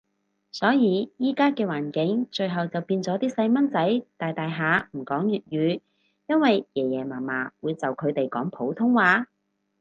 所以依家嘅環境，最後就變咗啲細蚊仔大大下唔講粵語，因為爺爺嫲嫲會就佢講普通話